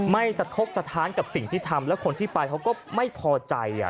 ไม่สะทกสถานกับสิ่งที่ทำแล้วคนที่ไปเขาก็ไม่พอใจ